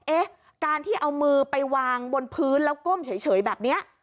เอ๊ะการที่เอามือไปวางบนพื้นแล้วก้มเฉยแบบนี้